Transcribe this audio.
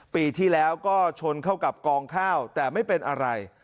ปีที่แล้วก็ชนเข้ากับกองข้าวแต่ไม่เป็นอะไร